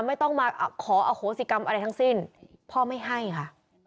ไม่ต้องมาขออโหสิกรรมอะไรทั้งสิ้นพ่อไม่ให้ค่ะ